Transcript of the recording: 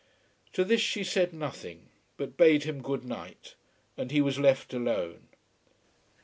To this she said nothing, but bade him good night and he was left alone.